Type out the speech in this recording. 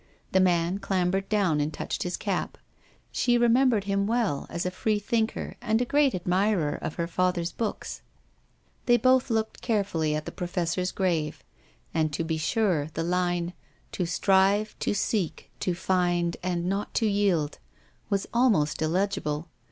The man clambered down and touched his cap. She remembered him well as a freethinker, and a great ad mirer of her father's books. They both looked carefully at the profes sor's grave. And, to be sure, the line "To strive, to seek, to find, and not to yield," THE WOMAN IN THE GLASS. 321 was almost illegible.